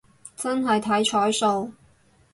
真係睇彩數